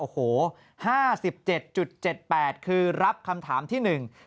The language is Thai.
คือรับคำถามที่๑๔๒๒๒